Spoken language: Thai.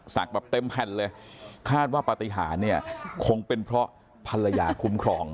แบบเต็มแผ่นเลยคาดว่าปฏิหารเนี่ยคงเป็นเพราะภรรยาคุ้มครอง